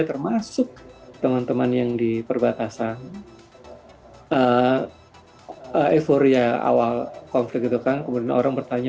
termasuk teman teman yang diperbatasan eh eh for ya awal konflik itu kan kemudian orang bertanya